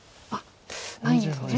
ないんですね。